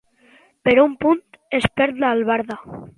Per un punt es perd l'albarda.